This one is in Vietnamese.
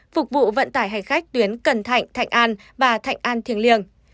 phục vụ vận tải hành khách tuyến cần thạnh thạnh an và thạnh an thiêng liêng